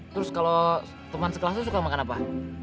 terus kalo temen sekelas lo suka makan apa